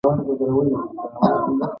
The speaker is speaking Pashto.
توپک ژوند نه، مرګ ته لاره هواروي.